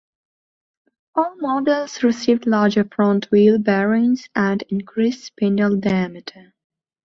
All models received larger front wheel bearings and increased spindle diameter.